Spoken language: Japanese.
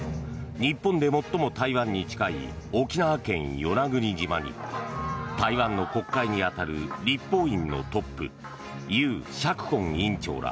日本で最も台湾に近い沖縄県与那国島に台湾の国会に当たる立法院のトップユウ・シャクコン院長ら